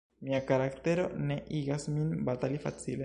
Mia karaktero ne igas min batali facile.